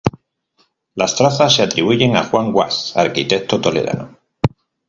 Las trazas se atribuyen a Juan Guas, arquitecto toledano.